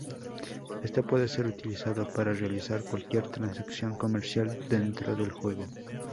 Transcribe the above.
Este puede ser utilizado para realizar cualquier transacción comercial dentro del juego.